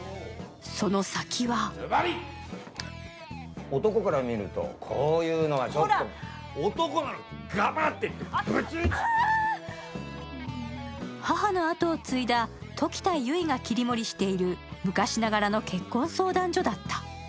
その先は母の跡を継いだ時田結衣が切り盛りしている昔ながらの結婚相談所だった。